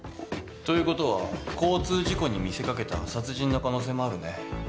ということは交通事故に見せ掛けた殺人の可能性もあるね。